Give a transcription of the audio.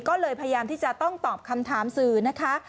ก็เลยพยายามที่จะต้องตอบคำถามสื่อนะคะ